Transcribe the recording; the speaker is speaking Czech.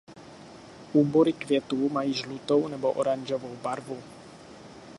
Úbory květů mají žlutou nebo oranžovou barvu.